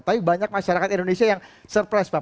tapi banyak masyarakat indonesia yang surprise pak